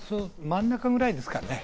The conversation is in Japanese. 真ん中ぐらいですかね。